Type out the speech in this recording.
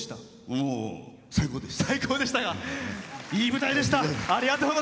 もう最高でした。